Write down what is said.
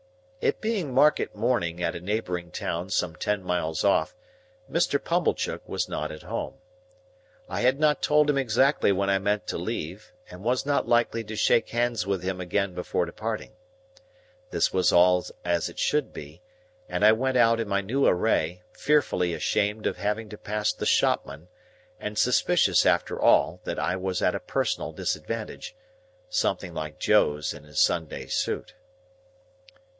It being market morning at a neighbouring town some ten miles off, Mr. Pumblechook was not at home. I had not told him exactly when I meant to leave, and was not likely to shake hands with him again before departing. This was all as it should be, and I went out in my new array, fearfully ashamed of having to pass the shopman, and suspicious after all that I was at a personal disadvantage, something like Joe's in his Sunday suit.